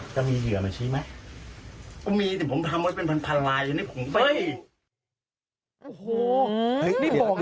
จะมีเหยื่อมาใช่ไหมก็มีแต่ผมทำเป็นพันธุ์ลายอย่างนี้ผมไม่รู้